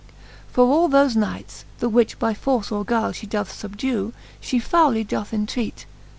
XXXI. For all thofe knights, the which by force or guile She doth fubdue, fhe fowly doth entreate.